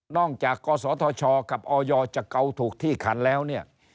อกจากกศธชกับออยจะเกาถูกที่ขันแล้วเนี่ย